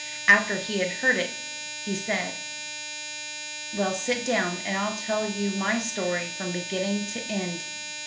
After he had heard it he said: "'Well, sit down, and I'll tell you my story from beginning to end.